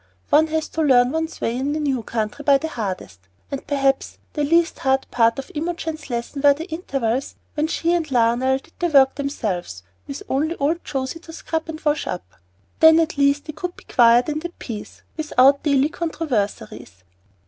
One has to learn one's way in a new country by the hardest, and perhaps, the least hard part of Imogen's lesson were the intervals when she and Lionel did the work themselves, with only old José to scrub and wash up; then at least they could be quiet and at peace, without daily controversies.